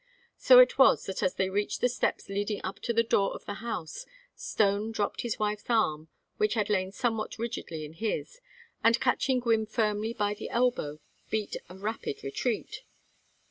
So it was that as they reached the steps leading up to the door of the house, Stone dropped his wife's arm, which had lain somewhat rigidly in his, and catching Gwynne firmly by the elbow, beat a rapid retreat.